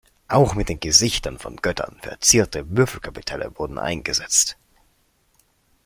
Auch mit den Gesichtern von Göttern verzierte Würfelkapitelle wurden eingesetzt.